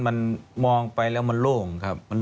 มันมองไปแล้วมันโล่งครับ